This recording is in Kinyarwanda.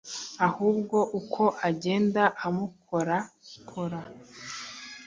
ahubwo uko agenda amukora kora